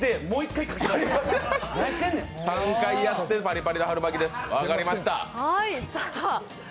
３回やってパリパリの春巻きです、分かりました。